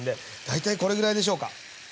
大体これぐらいでしょうか。